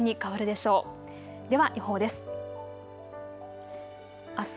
では予報です。